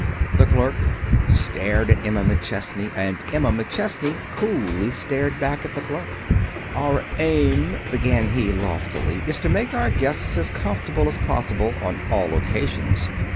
The clerk stared at Emma McChesney, and Emma McChesney coolly stared back at the clerk. "Our aim," began he, loftily, "is to make our guests as comfortable as possible on all occasions.